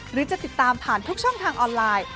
หรือจะติดตามผ่านทุกช่องทางออนไลน์